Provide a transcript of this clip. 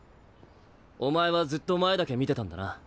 おまえはずっとまえだけみてたんだな。